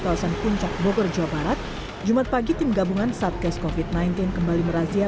kawasan puncak bogor jawa barat jumat pagi tim gabungan satgas covid sembilan belas kembali merazia